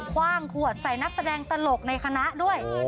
คว่างขวดใส่นักแสดงตลกในคณะด้วย